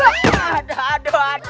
aduh aduh aduh